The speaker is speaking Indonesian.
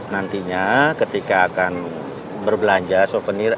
nantinya ketika akan berbelanja souvenir